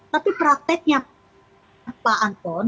tapi prakteknya pak anton